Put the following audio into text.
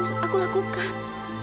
siluman takut dengan matahari